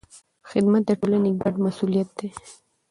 خدمت د ټولنې ګډ مسوولیت دی.